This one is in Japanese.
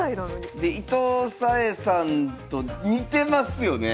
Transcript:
で伊藤沙恵さんと似てますよね。